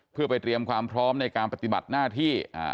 เพื่อไปเตรียมความพร้อมในการปฏิบัติหน้าที่